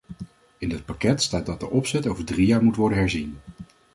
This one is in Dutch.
In het pakket staat dat de opzet over drie jaar moet worden herzien.